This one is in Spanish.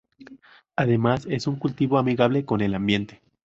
Además es un cultivo amigable con el ambiente.